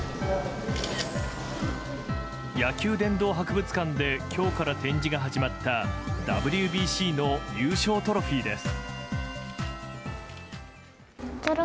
野球殿堂博物館で今日から展示が始まったＷＢＣの優勝トロフィーです。